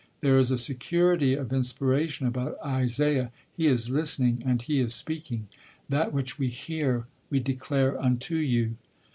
There is a security of inspiration about Isaiah; he is listening and he is speaking; "that which we hear we declare unto you."